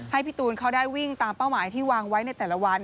ให้พี่ตูนเขาได้วิ่งตามเป้าหมายที่วางไว้ในแต่ละวัน